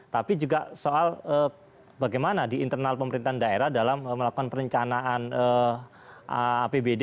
tapi juga soal bagaimana di internal pemerintahan daerah dalam melakukan perencanaan apbd